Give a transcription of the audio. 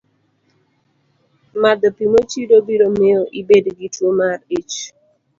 Madho pi mochido biro miyo ibed gi tuwo mar ich